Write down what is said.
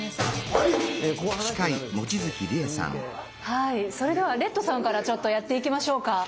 はいそれではレッドさんからちょっとやっていきましょうか！